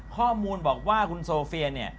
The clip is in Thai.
ข้อมูลบอกว่าคุณโซเฟียเนี่ย